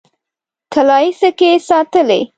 طلايي سکې ساتلې.